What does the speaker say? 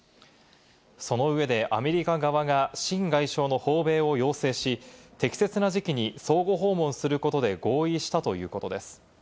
その上でアメリカ側が、シン外相の訪米を要請し、適切な時期に相互訪問することで合意したということです。